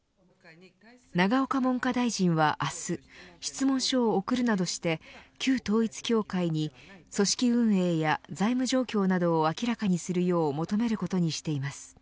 永岡文科大臣は明日質問書を送るなどして旧統一教会に組織運営や財務状況などを明らかにするよう求めることにしています。